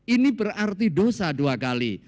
ini berarti dosa dua kali